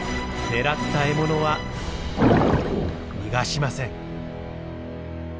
狙った獲物は逃がしません。